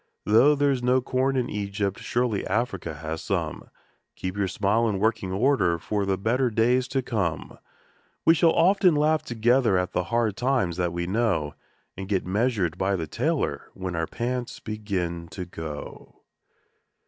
Though there is no corn in Egypt, surely Africa has some Keep your smile in working order for the better days to come ! We shall often laugh together at the hard times that we know, And get measured by the tailor when our pants begin to go.